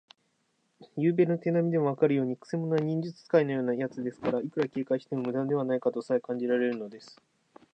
ゆうべの手なみでもわかるように、くせ者は忍術使いのようなやつですから、いくら警戒してもむだではないかとさえ感じられるのです。